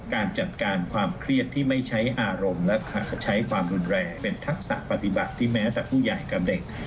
การจัดการความเครียดที่ไม่ใช้อารมณ์และใช้ความรุนแรงเป็นทักษะปฏิบัติที่แม้แต่ผู้ใหญ่กับเด็ก